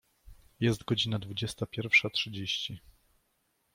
Jest godzina dwudziesta pierwsza trzydzieści.